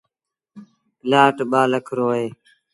پلآٽ ٻآ لک رو اهي۔